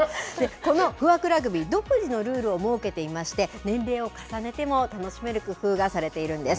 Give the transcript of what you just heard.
この不惑ラグビー、独自のルールを設けていまして、年齢を重ねても楽しめる工夫がされているんです。